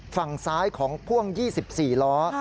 ฝั่งซ้ายของพ่วง๒๔ล้อ